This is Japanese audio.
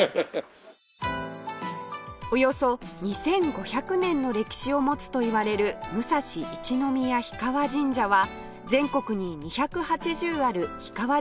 およそ２５００年の歴史を持つといわれる武蔵一宮氷川神社は全国に２８０ある氷川